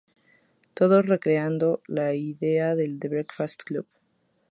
Todos re-creando la idea de The Breakfast Club.